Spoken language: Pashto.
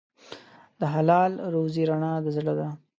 د حلال روزي رڼا د زړه ده.